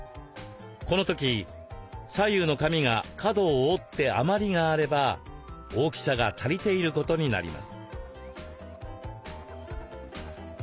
この時左右の紙が角を覆って余りがあれば大きさが足りていることになります。